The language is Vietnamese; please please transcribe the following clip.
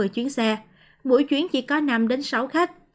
năm mươi một trăm bảy mươi chuyến xe mỗi chuyến chỉ có năm sáu khách